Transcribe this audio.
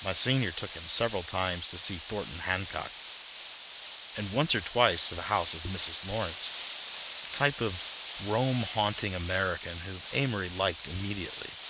Monsignor took him several times to see Thornton Hancock, and once or twice to the house of a Mrs. Lawrence, a type of Rome haunting American whom Amory liked immediately.